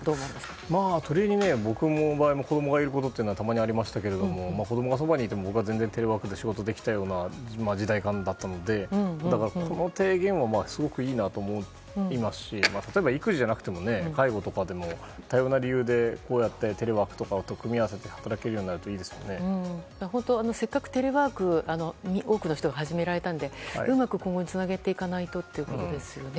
アトリエに、僕の場合も子供がいることはありましたけど子供がそばにいても僕は全然テレワークで仕事ができた時代感だったのでだからこの提言はすごくいいなと思いますしただ、育児じゃなくても介護とかでも、多様な理由でこうしてテレワークなどと組み合わせてせっかくテレワークを多くの人が始められたのでうまく今後につなげていかないと。